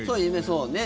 そうね